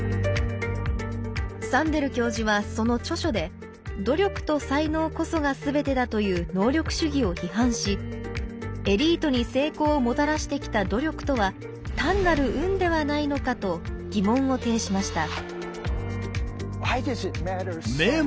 サンデル教授はその著書で努力と才能こそがすべてだという能力主義を批判しエリートに成功をもたらしてきた「努力」とは単なる運ではないのかと疑問を呈しました。